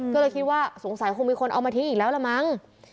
ก็เลยคิดว่าสงสัยคงมีคนเอามาทิ้งอีกแล้วล่ะมั้ง